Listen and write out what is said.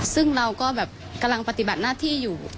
ซึ่งเราก็แบบกำลังปฏิบัติหน้าที่อยู่